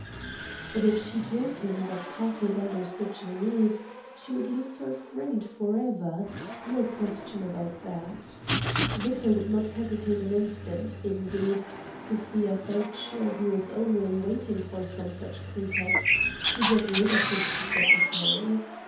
But if she told him that Karslake understood Chinese she would lose her friend forever—no question about that. Victor would not hesitate an instant—indeed, Sofia felt sure he was only waiting for some such pretext to get rid of his secretary.